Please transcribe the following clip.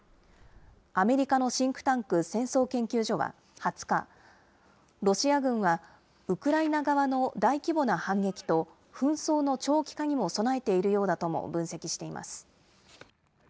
アメリカのシンクタンク戦争研究所は２０日、ロシア軍はウクライナ側の大規模な反撃と、紛争の長期化にも備えているようだとも分析しています。